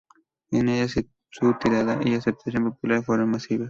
En ellas su tirada y aceptación popular fueron masivas.